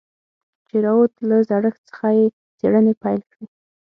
چې راووت له زړښت څخه يې څېړنې پيل کړې.